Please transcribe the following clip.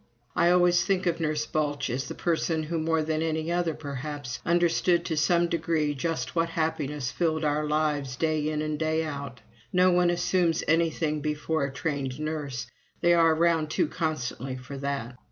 I always think of Nurse Balch as the person who more than any other, perhaps, understood to some degree just what happiness filled our lives day in and day out. No one assumes anything before a trained nurse they are around too constantly for that.